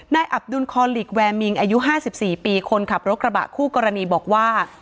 อับดุลคอลิกแวร์มิงอายุ๕๔ปีคนขับรถกระบะคู่กรณีบอกว่า